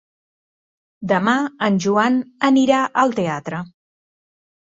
Demà en Joan anirà al teatre.